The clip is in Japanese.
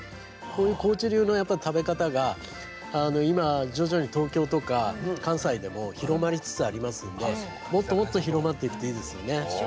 こういう高知流の食べ方が今徐々に東京とか関西でも広まりつつありますのでもっともっと広まっていくといいですよね。